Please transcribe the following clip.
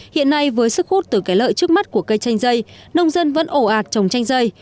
hiện nay với sức hút từ cái lợi trước mắt của cây chanh dây nông dân vẫn ổ ạt trồng chanh dây